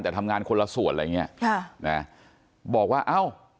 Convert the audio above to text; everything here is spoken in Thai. แต่ทำงานคนละส่วนอะไรอย่างนี้บอกว่าเอ้า